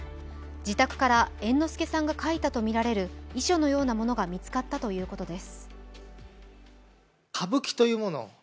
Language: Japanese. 自宅から猿之助さんが書いたとみられる遺書のようなものが見つかったということです。